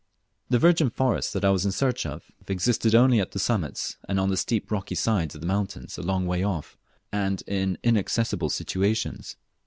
The virgin forest that I was in search of, existed only on the summits and on the steep rocky sides of the mountains a long way off, and in inaccessible situations.